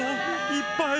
いっぱい。